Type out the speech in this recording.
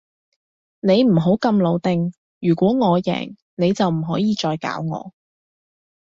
你唔好咁老定，如果我贏，你就唔可以再搞我